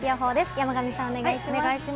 山神さん、お願いします。